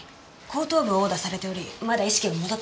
後頭部を殴打されておりまだ意識が戻ってません。